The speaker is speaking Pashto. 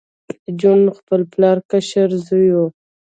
جون د خپل پلار کشر زوی و